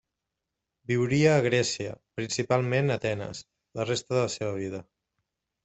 Viuria a Grècia -principalment Atenes- la resta de la seva vida.